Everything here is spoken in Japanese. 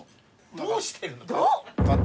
どうしてるのって。